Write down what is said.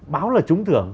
báo là trúng thưởng